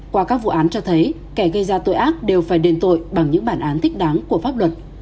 qua các vụ án cho thấy kẻ gây ra tội ác đều phải đền tội bằng những bản án thích đáng của pháp luật